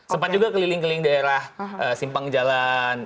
sempat juga keliling keliling daerah simpang jalan